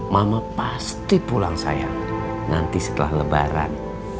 mama pasti pulang saya nanti setelah lebaran